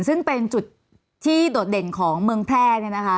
ซึ่งเป็นจุดที่โดดเด่นของเมืองแพร่